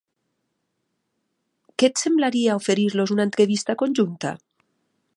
Què et semblaria oferir-los una entrevista conjunta?